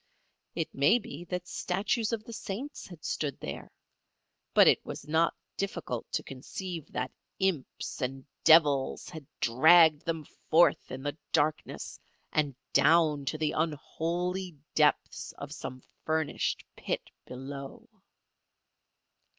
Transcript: It may be that statues of the saints had stood there, but it was not difficult to conceive that imps and devils had dragged them forth in the darkness and down to the unholy depths of some furnished pit below.